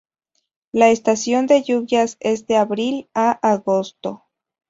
La estación de lluvias es de abril a agosto.